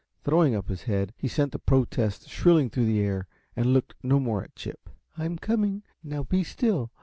Throwing up his head, he sent a protest shrilling through the air, and looked no more at Chip. "I'm coming, now be still.